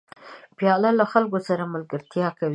پیاله له خلکو سره ملګرتیا کوي.